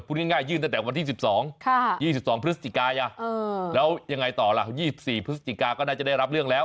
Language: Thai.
พูดง่ายยื่นตั้งแต่วันที่๑๒๒พฤศจิกายแล้วยังไงต่อล่ะ๒๔พฤศจิกาก็น่าจะได้รับเรื่องแล้ว